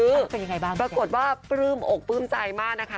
เออเป็นยังไงบ้างปรากฏว่าปลื้มอกปลื้มใจมากนะคะ